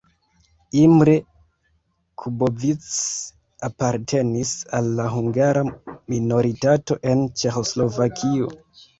Imre Kubovics apartenis al la hungara minoritato en Ĉeĥoslovakio.